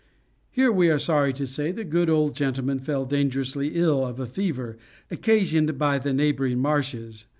Here, we are sorry to say, the good old gentleman fell dangerously ill of a fever, occasioned by the neighboring marshes.